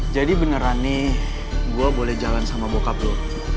jadi beneran nih gue boleh jalan sama bokap lo